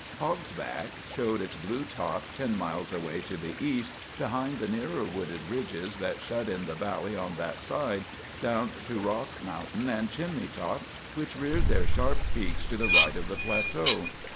Hog's Back showed its blue top ten miles away to the east, beyond the nearer wooded ridges that shut in the valley on that side, down to Rock Mountain and Chimney Top, which reared their sharp peaks to the right of the plateau.